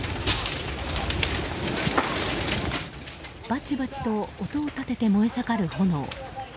バチバチと音を立てて燃え盛る炎。